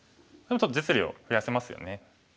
ちょっと実利を増やせますよね。